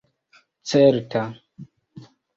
certa